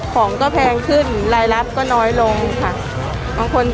ของก็แพงขึ้นรายรับก็น้อยลงค่ะ